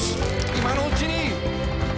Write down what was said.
今のうちに」